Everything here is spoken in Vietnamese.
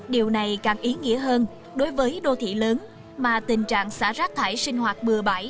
điều này càng ý nghĩa hơn đối với đô thị lớn mà tình trạng xả rác thải sinh hoạt bừa bãi